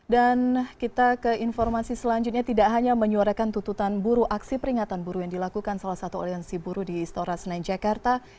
kita ke informasi selanjutnya tidak hanya menyuarakan tuntutan buruh aksi peringatan buruh yang dilakukan salah satu aliansi buruh di istora senayan jakarta